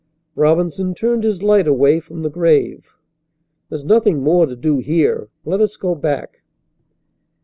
Robinson turned his light away from the grave. "There's nothing more to do here. Let us go back."